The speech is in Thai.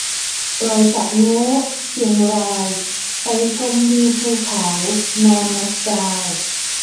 ดอยสะโง้ เชียงราย ไปชมวิวภูเขา นอนนับดาว